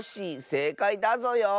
せいかいだぞよ。